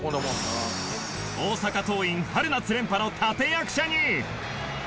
大阪桐蔭春夏連覇の立役者に！